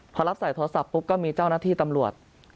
พอรับสายโทรศัพท์ปุ๊บก็มีเจ้าหน้าที่ตำรวจ